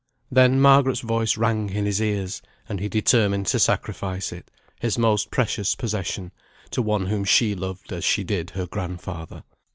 Then Margaret's voice rang in his ears; and he determined to sacrifice it, his most precious possession, to one whom she loved, as she did her grandfather.